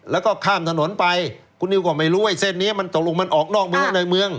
แล้วก็ข้ามถนนไปคุณนิวก็ไม่รู้ไอ้เส้นนี้มันตกลงมันออกนอกเมืองในเมือง